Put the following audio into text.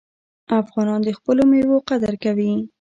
افغانان د خپلو میوو قدر کوي.